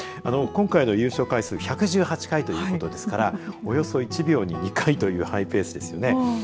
今回の優勝回数は１１８回ということですからおよそ１秒に２回というハイペースですね。